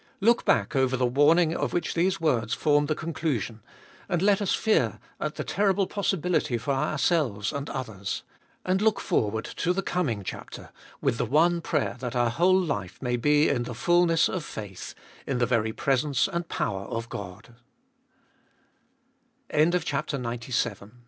Look back over the warning of which these words form the conclusion, and let us fear at the terrible possibility for ourselves and others. And look forward to the coming chapter, with the one prayer that our whole life may be in the fulness of faith, in the very presence and power